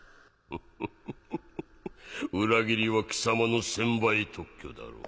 フフフ裏切りは貴様の専売特許だろう？